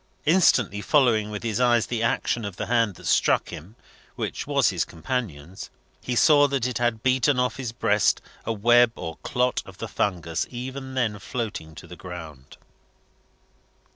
Instantly following with his eyes the action of the hand that struck him which was his companion's he saw that it had beaten off his breast a web or clot of the fungus even then floating to the ground.